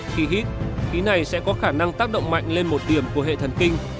khi hít khí này sẽ có khả năng tác động mạnh lên một điểm của hệ thần kinh